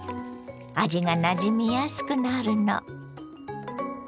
味がなじみやすくなるの。